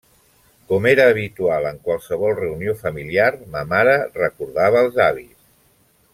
Com era habitual en qualsevol reunió familiar, ma mare recordava els avis.